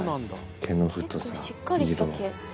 毛の太さ色。